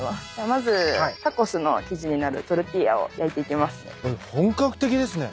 まずタコスの生地になるトルティーヤを焼いていきますね。